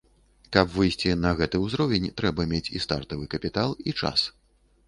Каб выйсці на гэты ўзровень трэба мець і стартавы капітал, і час.